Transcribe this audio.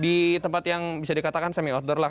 di tempat yang bisa dikatakan semi outdoor lah